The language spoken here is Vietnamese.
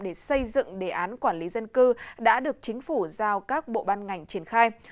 để xây dựng đề án quản lý dân cư đã được chính phủ giao các bộ ban ngành triển khai